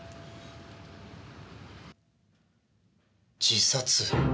自殺。